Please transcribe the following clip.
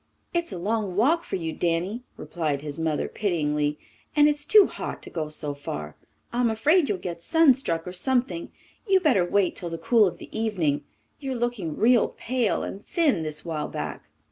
"It's a long walk for you, Danny," replied his mother pityingly, "and it's too hot to go so far. I'm afraid you'll get sun struck or something. You'd better wait till the cool of the evening. You're looking real pale and thin this while back."